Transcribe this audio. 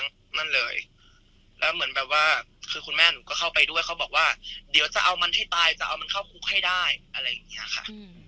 นั่นเลยแล้วเหมือนแบบว่าคือคุณแม่หนูก็เข้าไปด้วยเขาบอกว่าเดี๋ยวจะเอามันให้ตายจะเอามันเข้าคุกให้ได้อะไรอย่างนี้ค่ะ